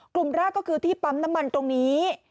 กลุ่มแรกก็คือที่ปั๊มน้ำมันตรงนี้